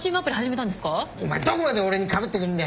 お前どこまで俺にかぶってくんだよ。